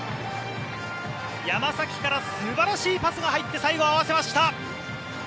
山崎から素晴らしいパスが入って最後合わせました。